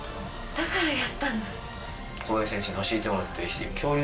だからやったんだ。